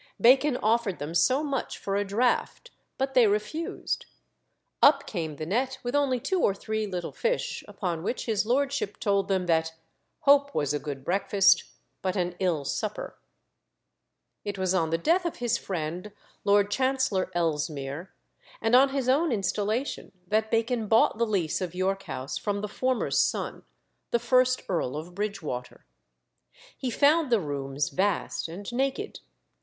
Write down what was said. Bacon offered them so much for a draught, but they refused. Up came the net with only two or three little fish; upon which his lordship told them that "hope was a good breakfast, but an ill supper." It was on the death of his friend, Lord Chancellor Ellesmere, and on his own installation, that Bacon bought the lease of York House from the former's son, the first Earl of Bridgewater. He found the rooms vast and naked.